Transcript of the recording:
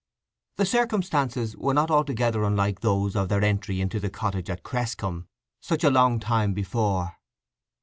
The circumstances were not altogether unlike those of their entry into the cottage at Cresscombe, such a long time before.